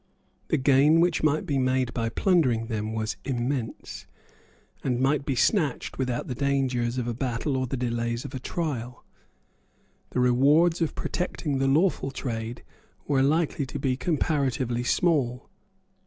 The gain which might be made by plundering them was immense, and might be snatched without the dangers of a battle or the delays of a trial. The rewards of protecting the lawful trade were likely to be comparatively small.